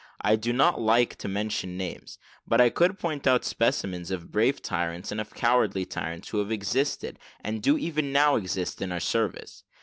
I do not like to mention names, but I could point out specimens of brave tyrants and of cowardly tyrants, who have existed, and do even now exist, in our service.